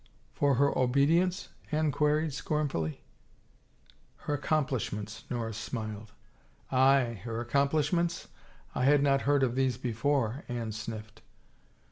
For her obedience?" Anne queried scornfully. Her accomplishments," Norris smiled. Aye, her accomplishments ? I had not heard of these before," Anne sniffed.